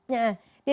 ya sudah dengar